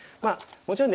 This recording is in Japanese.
もちろんね